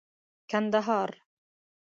کندهار